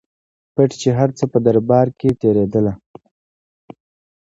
پټ چي هر څه په دربار کي تېرېدله